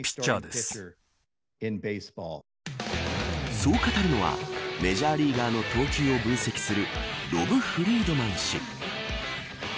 そう語るのはメジャーリーガーの投球を分析するロブ・フリードマン氏。